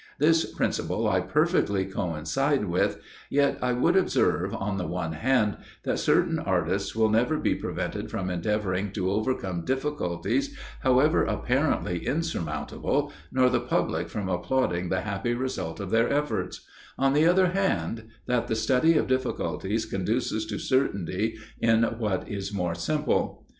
This principle I perfectly coincide with; yet I would observe, on the one hand, that certain artists will never be prevented from endeavouring to overcome difficulties, however apparently insurmountable, nor the public from applauding the happy result of their efforts: on the other hand, that the study of difficulties conduces to certainty in what is more simple.